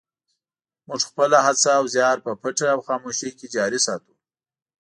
موږ خپله هڅه او زیار په پټه او خاموشۍ کې جاري ساتو.